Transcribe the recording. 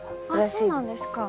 そうなんですか。